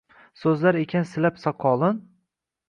Soʻzlar ekan silab soqolin